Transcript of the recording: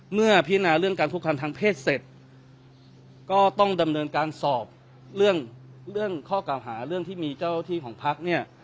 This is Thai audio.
พินาเรื่องการคุกคำทางเพศเสร็จก็ต้องดำเนินการสอบเรื่องเรื่องข้อกล่าวหาเรื่องที่มีเจ้าที่ของพักเนี่ย